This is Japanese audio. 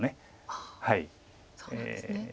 ああそうなんですね。